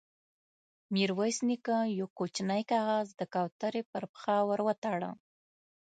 ميرويس نيکه يو کوچينۍ کاغذ د کوترې پر پښه ور وتاړه.